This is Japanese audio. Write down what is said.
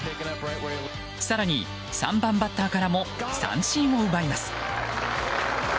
更に３番バッターからも三振を奪います。